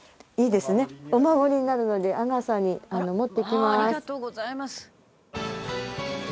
「まあありがとうございます」